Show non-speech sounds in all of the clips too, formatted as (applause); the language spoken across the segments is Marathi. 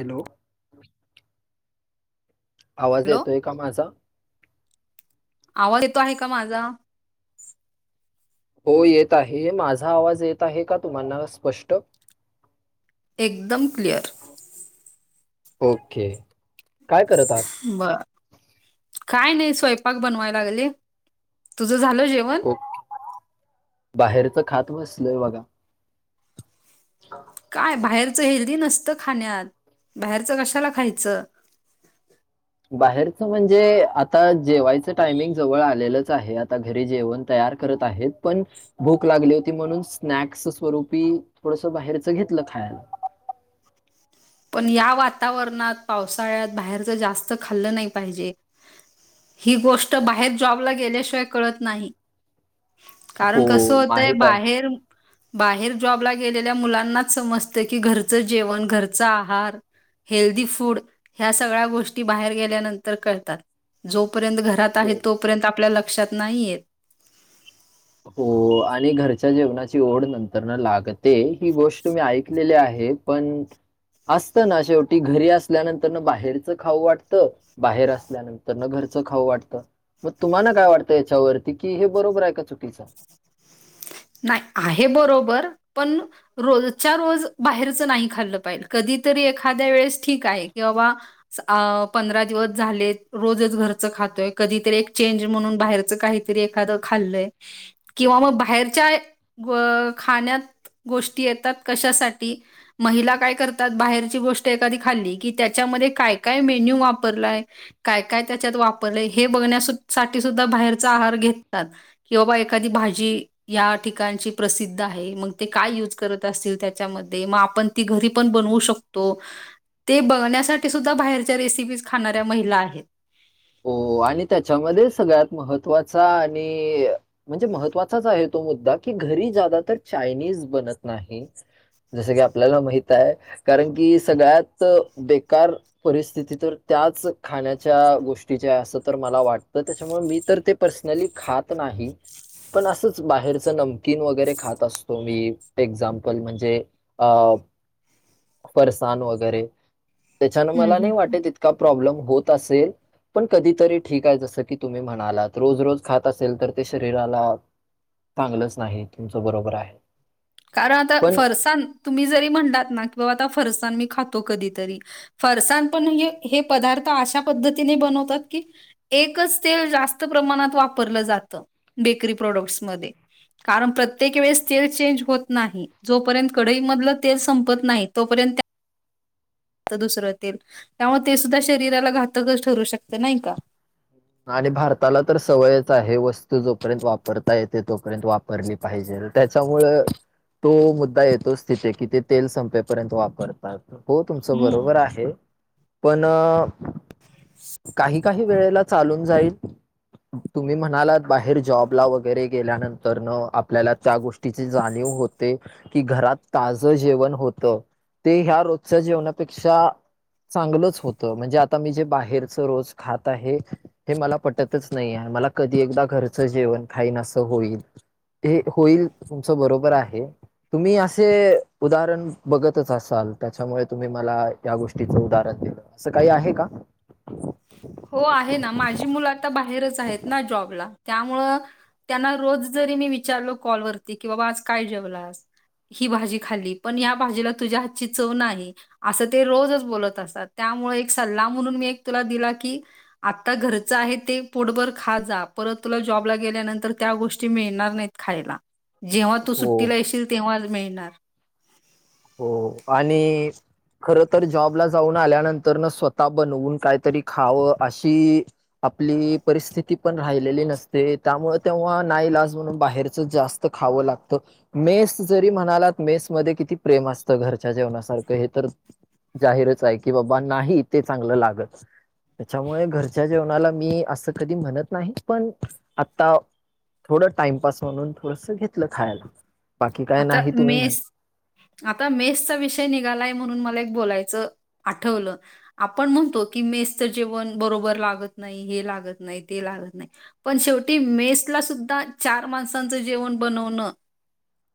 हॅलो आवाज हॅलो येतोय का माझा आवाज येतो आहे का माझा हो येत आहे माझा आवाज येत आहे का तुम्हाना स्पष्ट एकदम क्लिअर ओके काय करत आहात बर काय नाही स्वयंपाक बनवाय लागले तुझं झालं जेवण ओके बाहेरच खात बसलोय बघा का काय बाहेरचं हेल्दी नसतं खाण्यात बाहेरचं कशाला खायचं बाहेरच म्हणजे आता जेवायचं टायमिंग जवळ आलेलंच आहे आता घरी जेवण तयार करत आहेत पण भूक लागली होती म्हणून स्नॅक्स स्वरूपी थोडस बाहेरचं घेतलं खायाला पण या वातावरणात पावसाळ्यात बाहेरच जास्त खाल्लं नाही पाहिजे ही गोष्ट बाहेर जॉबला गेल्याशिवाय कळत नाही कारण हो कस होतंय माहित आहे बाहेर बाहेर जॉबला गेलेल्या मुलांनाच समजतं की घरचं जेवण घरचं आहार हेल्दी फूड ह्या सगळ्या गोष्टी बाहेर गेल्यानंतर कळतात जोपर्यंत घरात आहेत हो तोपर्यंत आपल्या लक्षात नाही येत हो आणि घरच्या जेवणाची ओढ नंतरन लागते ही गोष्ट मी ऐकलेली आहे पण असत ना शेवटी घरी असल्या नंतरन बाहेरचं खाऊ वाटतं बाहेर असल्या नंतरन घरचं खाऊ वाटतं म तुम्हाला काय वाटतं याच्या वरती कि हे बरोबर आहे का चुकीच हाय नाय आहे बरोबर पण रोजच्या रोज बाहेरच नाही खाल्लं पाहिजे कधीतरी एखाद्या वेळेस ठीक आहे कि बाबा पंधरा दिवस झालेत रोजच घरचं खातोय कधीतरी एक चेंज म्हणून बाहेरच काही तरी एखाद खाल्लय किंवा मग बाहेरच्या खाण्यात गोष्टी येतात कशासाठी महिला काय करतात बाहेरची गोष्ट एखादी खाल्ली की त्याच्यामध्ये काय काय मेन्यू वापरलाय काय काय त्याच्यात वापरलं हे बघण्यासाठी सुद्धा बाहेरचा आहार घेतात किंवा एखादी भाजी या ठिकाणची प्रसिद्ध आहे मग ते काय यूज करत असतील त्याच्यामध्ये मग आपण ती घरी पण बनवू शकतो तो ते बघण्यासाठी सुद्धा बाहेरच्या रेसिपीज खाणाऱ्या महिला आहेत हो आणि त्याच्यामध्ये सगळ्यात महत्त्वाचा आणि म्हणजे महत्त्वाचाच आहे तो मुद्दा की घरी ज्यादा तर चायनीज बनत नाही जसं की आपल्याला माहित हाय कारण की सगळ्यात बेकार परिस्थिती तर त्याच खाण्याच्या गोष्टी तिच्या अस तर मला वाटतं त्याच्यामुळे मी तर ते पर्सनली खात नाही पण असंच बाहेरच नमकीन वगैरे खात असतो मी एक्झाम्पल म्हणजे अ फरसाण वगैरे त्याच्यान हम्म मला नाही हम्म वाटत इतका प्रॉब्लेम होत असेल पण कधीतरी ठीक आहे जसं की तुम्ही म्हणालात रोज रोज खात असेल तर ते शरीराला चांगलंच नाही तुमचं बरोबर आहे कारण आता पण फरसाण तुम्ही जरी म्हणलात ना की बाबा आता फरसाण मी खातो कधीतरी फरसाण पण हे हे पदार्थ अशा पद्धतीने बनवतात की एकच तेल जास्त प्रमाणात वापरल जात बेकरी प्रोडक्ट्समध्ये कारण प्रत्येक वेळेस तेल चेंज होत नाही जोपर्यंत कडई मधलं तेल संपत नाही तोपर्यंत दुसरं तेल त्यामुळे ते सुद्धा शरीराला घातकच ठरू शकत नाही का आणि भारताला तर सवयच आहे वस्तू जोपर्यंत वापरता येते तोपर्यंत वापर वापरली पाहिजे त्याच्यामुळं तो मुद्दा येतोच तिथे कि ते तेल संपेपर्यंत वापरतात हो तुमचं हम्म बरोबर आहे पण अ (unintelligible) काही काही वेळेला चालून जाईल तुम्ही म्हणालात बाहेर जॉबला वगैरे गेल्यानंतर न आपल्याला त्या गोष्टी तिची जाणीव होते की घरात ताजं जेवण होत ते ह्या रोजच्या जेवणापेक्षा चांगलच होत म्हणजे आता मी जे बाहेर रोज खात आहे हे मला पटतच नाहीये मला कधी एकदा घरचं जेवण खाईन असं होईल ते होईल तुमच बरोबर आहे तुम्ही असे उदाहरण बघतच असाल त्याच्यामुळे तुम्ही मला या गोष्टीचं उदाहरण दिल असं काही आहे का हो आहे ना माझी मुलं आता बाहेरच आहेत ना जॉबला त्यामुळं त्यांना रोज जरी मी विचारलो कॉलवरती की बाबा आज काय जेवलास ही भाजी खाल्ली पण या भाजीला तुझ्या हातची चव नाही असं ते रोजच बोलत असतात त्यामुळे एक सल्ला म्हणून मी एक तुला दिला की आता घरचं आहे ते पोटभर खात जा परत तुला जॉबला गेल्यानंतर त्या गोष्टी मिळणार नाहीत खायला जेव्हा तू हो सुट्टीला येशील तेव्हाच मिळणार हो आणि खर तर जॉबला जाऊन आल्यानंतर न स्वतः बनवून काहीतरी खावं अशी आपली परिस्थिती पण राहिलेली नसते त्यामुळं तेव्हा नाईलाज म्हणून बाहेरच जास्त खाव लागत मेस जरी म्हणालात मेस मध्ये किती प्रेम असतं घरच्या जेवणासारखं हे तर जाहीरच आहे, की बाबा नाही ते चांगलं लागत. त्याच्यामुळे घरच्या जेवणाला मी असं कधी म्हणत नाही पण आत्ता थोडं टाईमपास म्हणून थोडसं घेतलं खायला बाकी काय आता नाही तुम्ही म्हण मेस आता मेसचा विषय निघालाय म्हणून मला एक बोलायचं आठवलं. आपण म्हणतो की मेस जेवण बरोबर लागत नाही, हे लागत नाही, ते लागत नाही पण शेवटी मेसला सुद्धा चार माणसांचं जेवण बनवणं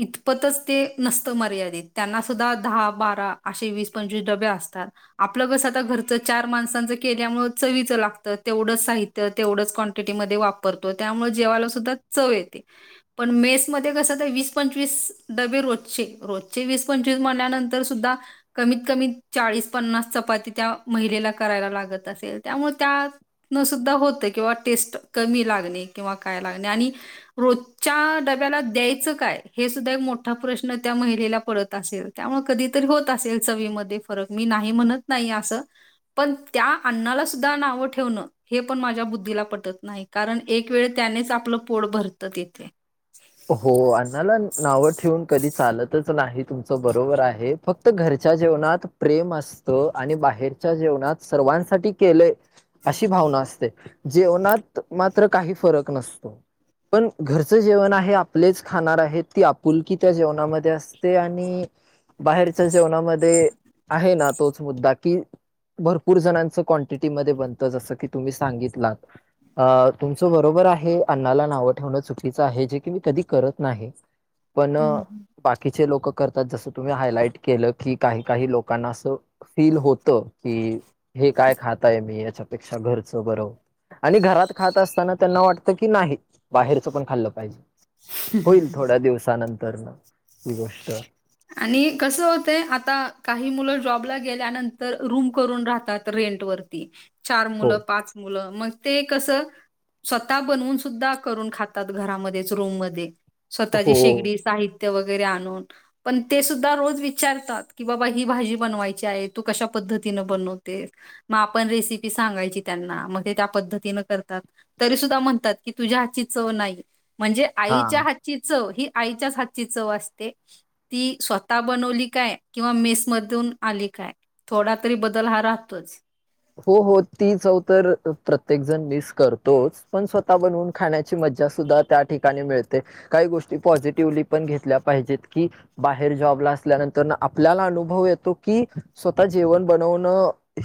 इतपतच ते नसतं मर्यादित त्यांना सुद्धा दहा बारा असे वीस पंचवीस डबे असतात. आपलं कसं आता घरचं चार माणसांचं केल्यामुळे चवीचं लागतं. तेवढंच साहित्य- त्य तेवढंच क्वांटिटीमध्ये वापरतो त्यामुळे जेवायला सुद्धा चव येते. पण मेस मध्ये कसं तर वीस पंचवीस डबे रोजचे, रोजचे वीस पंचवीस म्हणल्या नंतर सुद्धा कमीत कमी चाळीस पन्नास चपाती त्या महिलेला करायला लागत असेल. त्यामुळे त्या तन सुद्धा होतय किंवा टेस्ट कमी लागणे किंवा काय लागणे आणि रोजच्या डब्याला द्यायचं काय? हे सुद्धा एक मोठा प्रश्न त्या महिलेला पडत असेल त्यामुळे कधीतर होत असेल चवीमध्ये फरक मी नाही म्हणत नाही असं, पण त्या अन्नाला सुद्धा नावं ठेवणं हे पण माझ्या बुद्धीला पटत नाही कारण एक वेळ त्यानेच आपलं पोट भरतं तिथे. हो अन्नाला नावं ठेवून कधी चालतच नाही तुमचं बरोबर आहे. फक फक्त घरच्या जेवणात प्रेम असतं आणि बाहेरच्या जेवणात सर्वांसाठी केलय अशी भावना असते. जेवणात मात्र काही फरक नसतो. पण घरचं जेवण आहे. हे आपलेच खाणार आहेत ती आपुलकी त्या जेवणामध्ये असते. आणि बाहेरच्या जेवणामध्ये आहे ना तोच मुद्दा की भरपूर जणांचं क्वांटिटी मध्ये बनतं जसं की तुम्ही सांगितलात. अ तुमचं बरोबर आहे अन्नाला नावं ठेवणं चुकीचं आहे. जे की मी कधी करत नाही, पण हम्म, हम्म. बाकीचे लोकं करतात जसं तुम्ही हायलाइट केलं की काही काही लोकांना असं फील होतं की हे काय खात आहे मी याच्यापेक्षा घरचं बरं. आणि घरात खात असताना त्यांना वाटतं की नाही बाहेरचं पण खाल्लं पाहिजे. होईल थोड्या दिवसानंतरन ही गोष्ट. आणि कसं होतय आता काही मुलं जॉबला गेल्यानंतर रूम करून राहतात. रेंट वरती चार हो, मुलं, पाच मुलं मग ते कस स्वतः बनवून सुद्धा करून खातात घरामध्येच रूम मध्ये. स्वतःची हो. शेगडी साहित्य वगैरे आणून. पण ते सुद्धा रोज विचारतात की बाबा ही भाजी बनवायची आहे तू कशा पद्धतीन बनवते? मग आपण रेसिपी सांगायची त्यांना मग ते त्या पद्धतीन करतात. तरी सुद्धा म्हणतात की तुझ्या हातची चव नाही. म्हणजे हां. आईच्या हातची चव ही आईच्याच हातची चव असते. ती स्वतः बनवली काय किंवा मेसमधून आली काय. थोडा तरी बदल हा राहतोच. हो हो ती चव तर प्रत्येक जण मिस करतोच, पण स्वतः बनवून खाण्याची मज्जा सुद्धा त्या ठिकाणी मिळते. काही गोष्टी पॉझिटिव्हली पण घेतल्या पाहिजेत की बाहेर जॉबला असल्यानंतर न आपल्याला अनुभव येतो की स्वतः जेवण बनवण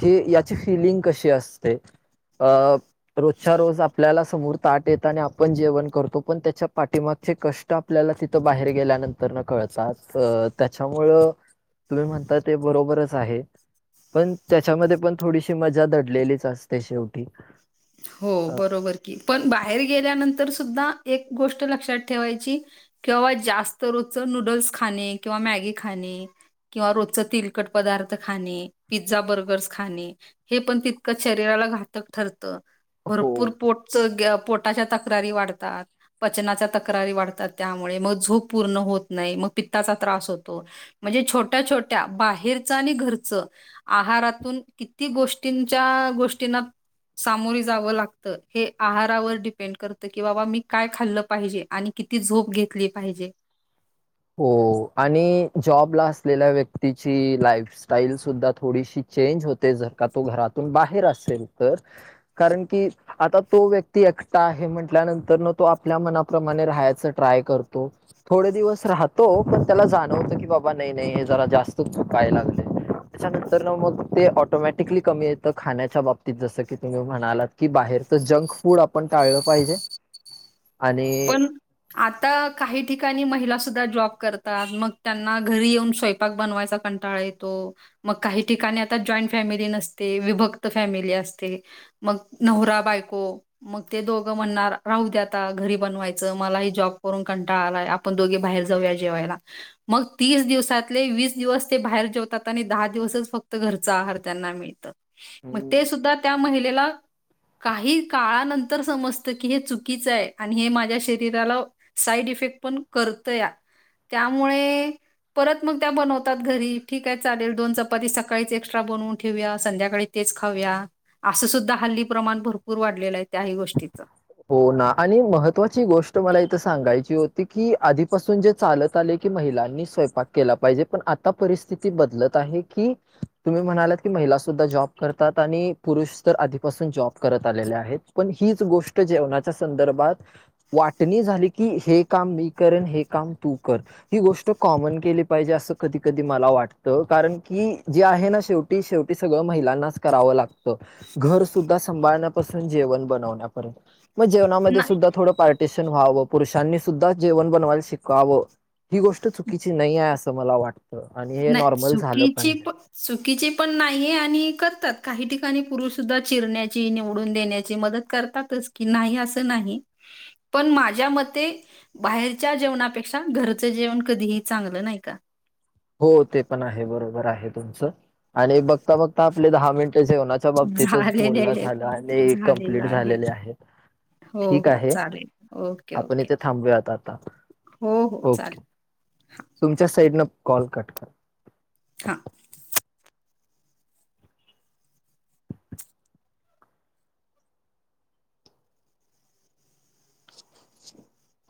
हे फिलिंग कशी असते. अ रोजच्या रोज आपल्याला समोर ताट येत आणि आपण जेवण करतो पण त्याच्या पाठीमागचे कष्ट आपल्याला तिथं बाहेर गेल्यानंतर न कळतात. त्याच्यामुळं तुम्ही म्हणताय ते बरोबरच आहे. पण त्याच्यामध्ये पण थोडीशी मजा दडलेलीच असते शेवटी. हो अ, बरोबर की, पण बाहेर गेल्यानंतर सुद्धा एक गोष्ट लक्षात ठेवायची की बाबा जास्त रोजच नूडल्स खाणे किंवा मॅगी खाणे. किंवा रोजच तेलकट पदार्थ खाणे पिझ्झा बर्गर्स खाणे. हे पण तितकंच शरीराला घातक ठरत. हो. भरपूर पोट- पोटाच्या तक्रारी वाढतात. पचनाच्या तक्रारी वाढतात त्यामुळे मग झोप पूर्ण होत नाही, मग पित्ताचा त्रास होतो. म्हणजे छोट्या छोट्या बाहेरचं आणि घरचं आहारातून किती गोष्टींच्या गोष्टीना सामोरी जावं लागतं हे आहारावर डिपेंड करतं, की बाबा मी काय खाल्ल पाहिजे आणि किती झोप घेतली पाहिजे. हो आणि जॉबला असलेल्या व्यक्तीची लाईफ स्टाईल सुद्धा थोडीशी चेंज होते जर का तो घरातून बाहेर असेल तर कारण की आता तो व्यक्ती एकटा आहे म्हटल्यानंतर न तो आपल्या मनाप्रमाणे राहायच ट्राय करतो. थोडे दिवस राहतो पण त्याला जाणवतं की बाबा नाही नाही जरा जास्त चुकाय लागले त्याच्यानंतर ना मग ते ऑटोमॅटिकली कमी येतं, खाण्याच्या बाबतीत जसं की तुम्ही म्हणालात की बाहेरच जंक फूड आपण टाळलं पाहिजे. (unintelligible) आणि पण आता काही ठिकाणी महिला सुद्धा जॉब करतात मग त्यांना घरी येऊन स्वय पाक बनवायचा कंटाळा येतो मग काही ठिकाणी आता जॉईंट फॅमिली नसते विभक्त फॅमिली असते. नवरा बायको मग ते दोघं म्हणणार राहू द्या आता घरी बनवायचं मलाही जॉब करून कंटाळा आलाय आपण दोघे बाहेर जाऊया जेवायला मग तीस दिवसातले वीस दिवस ते बाहेर जेवतात आणि दहा दिवसच फक्त घरचा आहार त्यांना मिळतं. मग ते सुद्धा त्या महिलेला काही काळानंतर समजतं की हे चुकीचं आहे. आणि हे माझ्या शरीराला साईड इफेक्ट पण करत या त्यामुळे परत मग त्या बनवतात घरी ठीक आहे चालेल दोन चपाती सकाळीच एक्स्ट्रा बनवून ठेवया संध्याकाळी तेच खाऊया असं सुद्धा हल्ली प्रमाण भरपूर वाढलेलं आहे त्याही गोष्टीचं. हो ना आणि महत्त्वाची गोष्ट मला इथे सांगायची होती, की आधीपासून जे चालत आले की महिलांनी स्वयंपाक केला पाहिजे पण आता परिस्थिती बदलत आहे की तुम्ही म्हणालात की महिला सुुद्धा जॉब करतात आणि पुरुष तर आधीपासून जॉब करत आलेले आहेत. पण हीच गोष्ट जेवणाच्या संदर्भात वाटणी झाली की हे काम मी करेन हे काम तू कर. ही गोष्ट कॉमन केली पाहिजे असं कधी कधी मला वाटतं कारण की जे आहे ना शेवटी शेवटी सगळं महिलांनाच करावं लागतं. घर सुुद्धा सांभाळण्यापासून जेवण बनवण्यापर्यंत. मग जेवणामध्ये नाही सुद्धा थोडं पार्टिशन व्हावं पुरुषांनी सुद्धा जेवण बनवायला शिकावं. ही गोष्ट चुकीची नाही आहे असं मला वाटतं आणि हे नाही नॉर्मल झालं चुकीची पाहिजे. प चुकीची पण नाहीये आणि करतात काही ठिकाणी पुरुष सुद्धा चिरण्याची निवडून देण्याची मदत... करतातच की नाही अस नाही पण माझ्या मते. बाहेरच्या जेवणापेक्षा घरचं जेवण कधीही चांगल. हो ते पण आहे बरोबर आहे तुमचं आणि बघता बघता आपले दहा मिनटे जेवना... बाबतीतच झालेले बनला आहे. झाल झालेलं कंमप्लीट आहे. झालेले आहेत. हो, ठीक हो. आहे चालेल. ओके, आपण ओके. इथे थांबूयात आता हो, हो. चालेल. ओके. हां, तुमच्या साईड न कॉल कट करा. हा. (inaudible)